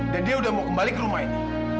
dan dia udah mau kembali ke rumah ini